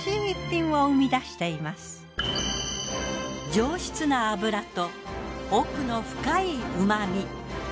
上質な脂と奥の深い旨み。